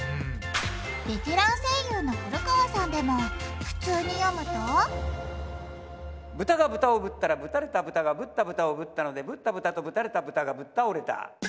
ベテラン声優の古川さんでもブタがブタをぶったらぶたれたブタがぶったブタをぶったのでぶったブタとぶたれたブタがぶったおれた。